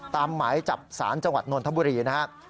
ตามหมายจับศาลจังหวัดนวลธบุรีนะครับ